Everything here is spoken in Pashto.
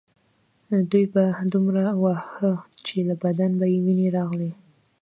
دوی به دومره واهه چې له بدن به یې وینې راغلې